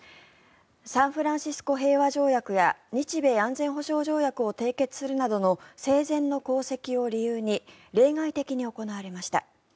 サンフランシスコ講和条約や日米安全保障条約を締結するなどの生前の功績を理由に例外的に行われました。